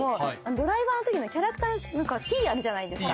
ドライバーの時のキャラクターのティーあるじゃないですか。